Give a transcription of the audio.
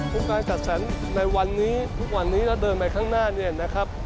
ทุกการกัดแสนในวันนี้ทุกวันนี้เราเดินไปข้างหน้านี่นะครับ